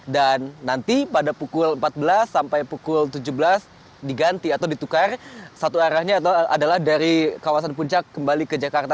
dan nanti pada pukul empat belas sampai pukul tujuh belas diganti atau ditukar satu arahnya adalah dari kawasan puncak kembali ke jakarta